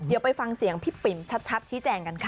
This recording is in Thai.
เดี๋ยวไปฟังเสียงพี่ปิ๋มชัดชี้แจงกันค่ะ